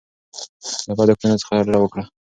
له بدو کړنو څخه ډډه وکړئ.